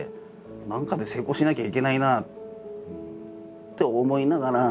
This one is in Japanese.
何かで成功しなきゃいけないなって思いながら。